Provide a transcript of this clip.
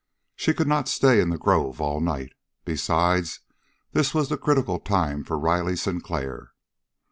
She could not stay in the grove all night. Besides, this was the critical time for Riley Sinclair.